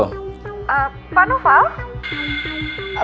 eeh pak noval